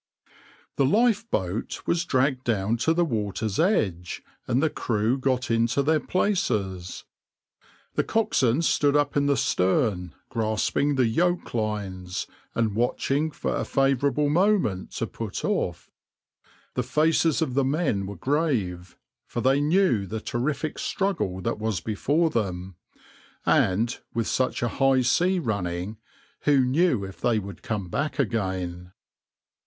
\par The lifeboat was dragged down to the water's edge, and the crew got into their places. The coxswain stood up in the stern, grasping the yoke lines, and watching for a favourable moment to put off. The faces of the men were grave, for they knew the terrific struggle that was before them, and, with such a high sea running, who knew if they would come back again?